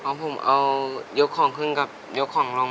เพราะผมเอายกของขึ้นกับยกของลง